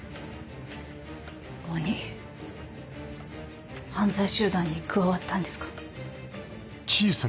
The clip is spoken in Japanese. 鬼犯罪集団に加わったんですか？